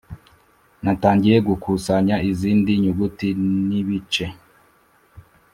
natangiye gukusanya izindi nyuguti n'ibice